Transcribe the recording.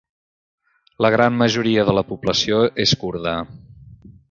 La gran majoria de la població és kurda.